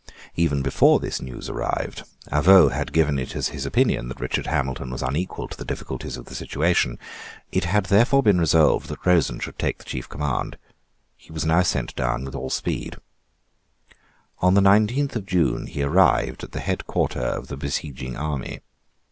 Even before this news arrived, Avaux had given it as his opinion that Richard Hamilton was unequal to the difficulties of the situation. It had therefore been resolved that Rosen should take the chief command. He was now sent down with all speed, On the nineteenth of June he arrived at the head quarter of the besieging army.